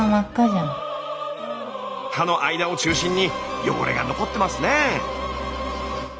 歯の間を中心に汚れが残ってますねぇ。